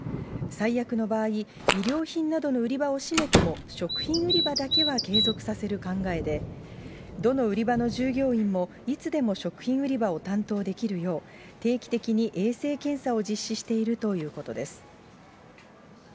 最悪の場合、衣料品などの売り場を閉めても、食品売り場だけは継続させる考えで、どの売り場の従業員も、いつでも食品売り場を担当できるよう、定期的に衛生検査を実施しているということです。